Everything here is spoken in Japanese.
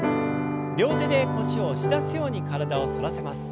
両手で腰を押し出すように体を反らせます。